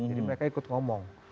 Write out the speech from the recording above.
jadi mereka ikut ngomong